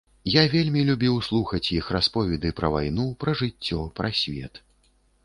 Я вельмі любіў слухаць іх расповеды пра вайну, пра жыццё, пра свет.